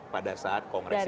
pada saat kongres ini